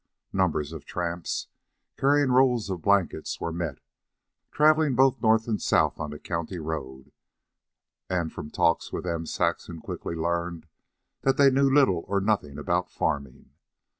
Numbers of tramps, carrying rolls of blankets, were met, traveling both north and south on the county road; and from talks with them Saxon quickly learned that they knew little or nothing about farming.